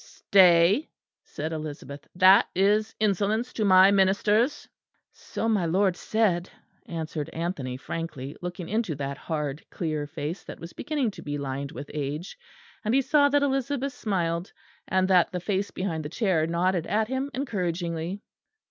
"Stay," said Elizabeth, "that is insolence to my ministers." "So my lord said," answered Anthony frankly, looking into that hard clear face that was beginning to be lined with age. And he saw that Elizabeth smiled, and that the face behind the chair nodded at him encouragingly.